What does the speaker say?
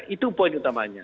itu poin utamanya